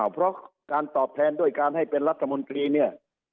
เพราะการตอบแทนด้วยการให้เป็นรัฐมนตรีเนี่ย